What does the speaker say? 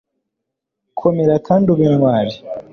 komera kandi ube intwari